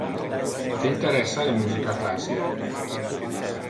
Te interessa le musica classic?